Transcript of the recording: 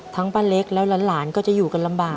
ป้าเล็กแล้วหลานก็จะอยู่กันลำบาก